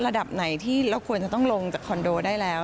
ระดับไหนที่เราควรจะต้องลงจากคอนโดได้แล้ว